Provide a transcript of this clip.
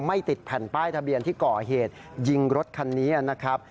ติดแผ่นป้ายทะเบียนที่ก่อเหตุยิงรถคันนี้นะครับ